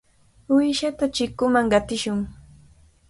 Uyshata chikunman qatishun.